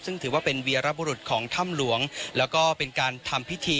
ซึ่งถือว่าเป็นเวียระบุรุษของถ้ำหลวงแล้วก็เป็นการทำพิธี